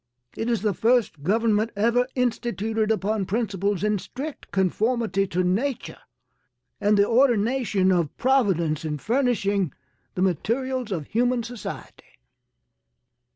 It is the first government ever instituted upon principles in strict conformity to nature and the ordination of Providence in furnishing the materials of human society.